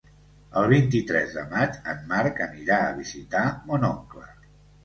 El vint-i-tres de maig en Marc anirà a visitar mon oncle.